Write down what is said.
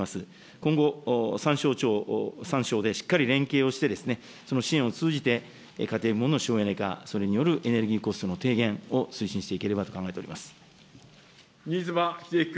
今後、３省でしっかりれんけいをしてその支援を通じて、家庭の省エネ化、それによるエネルギーコストの低減を推進していければと考えてお新妻秀規君。